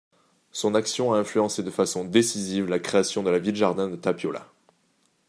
Son action a influencé de façon décisive la création de la ville-jardin de Tapiola.